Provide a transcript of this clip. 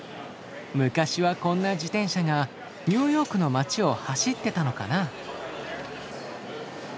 昔はこんな自転車がニューヨークの街を走ってたのかな？